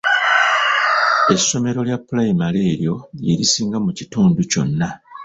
Essomero lya pulayimale eryo lye lisinga mu kitundu kyonna.